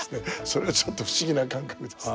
それがちょっと不思議な感覚です。